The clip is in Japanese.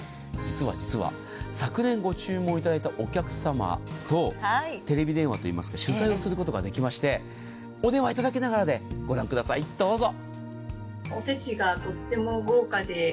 実は昨年ご注文いただいたお客さまとテレビ電話といいますか取材をすることができましてお電話いただきながらご覧ください、どうぞ。